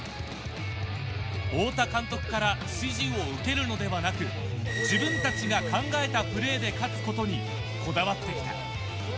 太田監督から指示を受けるのではなく、自分たちが考えたプレーで勝つことにこだわってきた。